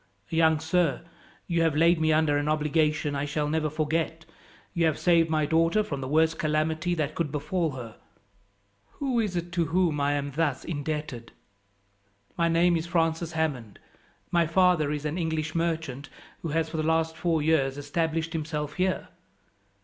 "Young sir, you have laid me under an obligation I shall never forget. You have saved my daughter from the worst calamity that could befall her. Who is it to whom I am thus indebted?" "My name is Francis Hammond. My father is an English merchant who has, for the last four years, established himself here."